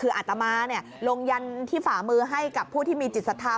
คืออัตมาลงยันที่ฝ่ามือให้กับผู้ที่มีจิตศรัทธา